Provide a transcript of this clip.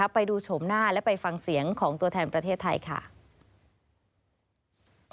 ไปดูโฉมหน้าและไปฟังเสียงของตัวแทนประเทศไทยค่ะ